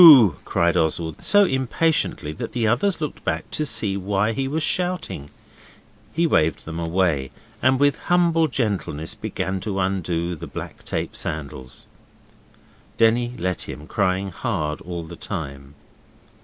cried Oswald, so impatiently that the others looked back to see why he was shouting. He waved them away, and with humble gentleness began to undo the black tape sandals. Denny let him, crying hard all the time.